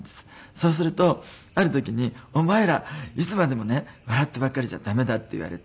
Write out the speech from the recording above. そうするとある時に「お前らいつまでもね笑ってばっかりじゃ駄目だ」って言われて。